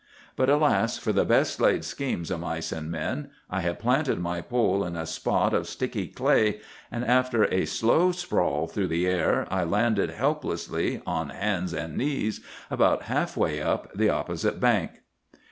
But, alas for the 'best laid schemes o' mice an' men'! I had planted my pole in a spot of sticky clay, and after a slow sprawl through the air I landed helplessly on hands and knees about half way up the opposite bank.